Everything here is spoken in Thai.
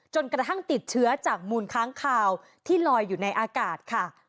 กระทั่งติดเชื้อจากมูลค้างคาวที่ลอยอยู่ในอากาศค่ะ